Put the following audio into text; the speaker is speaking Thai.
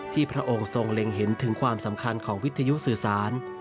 พระองค์ทรงเล็งเห็นถึงความสำคัญของวิทยุสื่อสาร